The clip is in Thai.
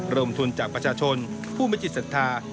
รวมทุนจากประชาชนผู้มิจิสันธา